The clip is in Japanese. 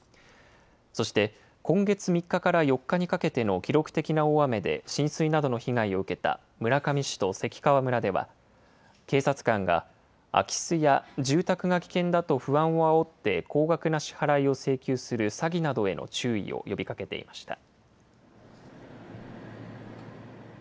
そして、今月３日から４日にかけての記録的な大雨で、浸水などの被害を受けた村上市と関川村では、警察官が、空き巣や、住宅が危険だと不安をあおって高額な支払いを請求する詐欺などへの注意を呼びかけていました。